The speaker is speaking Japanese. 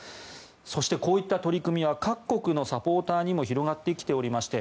そして、こういった取り組みは各国のサポーターにも広がってきておりまして